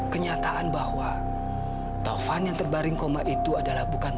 kamu tahu apa yang harus kamu lakukan